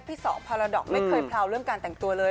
สองพาราดอกไม่เคยพราวเรื่องการแต่งตัวเลย